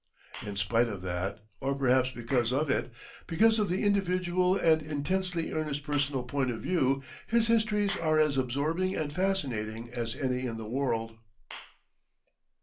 In spite of that, or perhaps because of it because of the individual and intensely earnest personal point of view his histories are as absorbing and fascinating as any in the world.